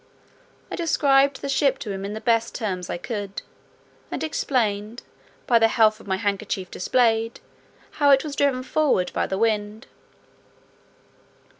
I described the ship to him in the best terms I could, and explained, by the help of my handkerchief displayed, how it was driven forward by the wind.